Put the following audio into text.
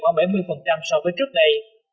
có bảy mươi so với trước đây